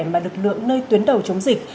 mà lực lượng nơi tuyến đầu chống dịch